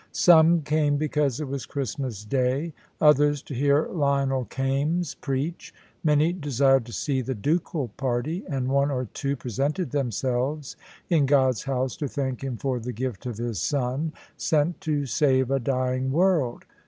Some came because it was Christmas Day, others to hear Lionel Kaimes preach; many desired to see the ducal party, and one or two presented themselves in God's house to thank Him for the gift of His Son, sent to save a dying world.